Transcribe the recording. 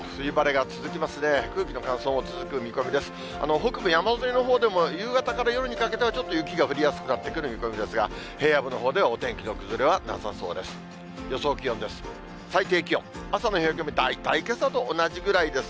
北部山沿いのほうでも、夕方から夜にかけては、ちょっと雪が降りやすくなってくる見込みですが、平野部のほうではお天気の崩れはなさそうです。